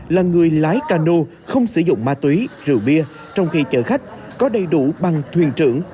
là người lái cano không sử dụng ma túy rượu bia trong khi chở khách có đầy đủ bằng thuyền trưởng